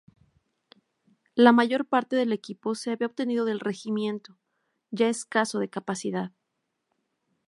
La mayor parte del equipo se había obtenido del Regimiento, ya escaso de capacidad.